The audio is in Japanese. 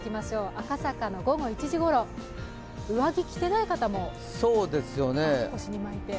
赤坂の午後１時ごろ、上着着ていない方も。